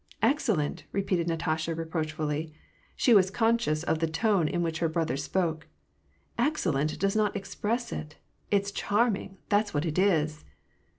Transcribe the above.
" Excellent !" repeated Natasha reproachf idly ; she was con scious of tlie tone in which her brother spoke. " Excellent does not express it : it's charming, that's what it is